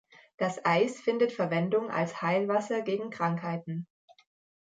Das Eis findet Verwendung als Heilwasser gegen Krankheiten.